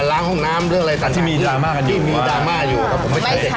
ล้างห้องน้ำเรื่องอะไรต่าง